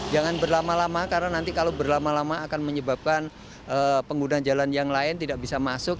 jangan berlama lama karena nanti kalau berlama lama akan menyebabkan pengguna jalan yang lain tidak bisa masuk